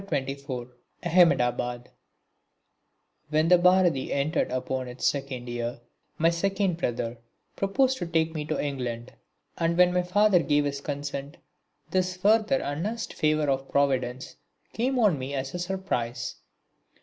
PART V (24) Ahmedabad When the Bharati entered upon its second year, my second brother proposed to take me to England; and when my father gave his consent, this further unasked favour of providence came on me as a surprise.